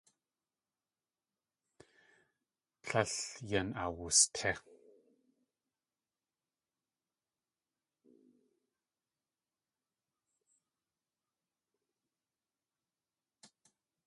Tlél yan awustí.